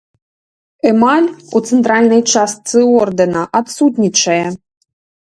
Эмаль у цэнтральнай частцы ордэна адсутнічае.